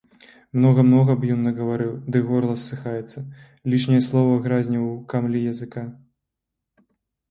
Многа-многа б ён нагаварыў, ды горла ссыхаецца, лішняе слова гразне ў камлі языка.